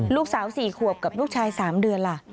ลูกสาว๔ขวบกับลูกชาย๓เดือนล่ะ